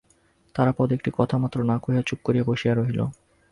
তারাপদ একটি কথামাত্র না কহিয়া চুপ করিয়া বসিয়া রহিল।